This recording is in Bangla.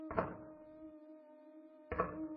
তার হাতে এক অস্বাভাবিক শক্তি আছে।